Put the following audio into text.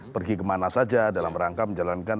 pergi kemana saja dalam rangka menjalankan